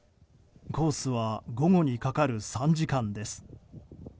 コースは午後にかかる３時間です。